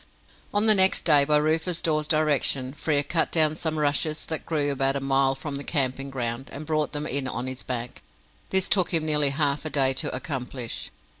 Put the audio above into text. On the next day, by Rufus Dawes's direction, Frere cut down some rushes that grew about a mile from the camping ground, and brought them in on his back. This took him nearly half a day to accomplish.